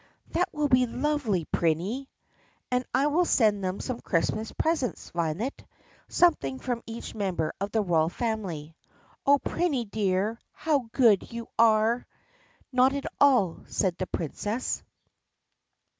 "That will be lovely, Prinny!" "And I will send them some Christmas presents, Violet — something from each member of the royal family." "Oh, Prinny, dear! How good you are!" "Not at all," said the Princess.